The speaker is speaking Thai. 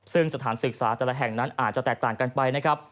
ซึ่งสถานศึกษาแต่ละแห่งนั้นอาจจะแตกต่างกันไปนะครับ